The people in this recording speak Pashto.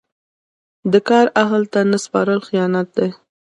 د کار اهل ته نه سپارل خیانت دی.